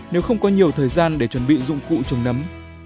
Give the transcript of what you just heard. nếu không có nhiều thời gian để chuẩn bị dụng cụ trùng nấm